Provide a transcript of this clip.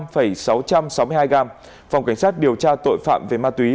phòng cảnh sát điều tra tội phạm về ma túy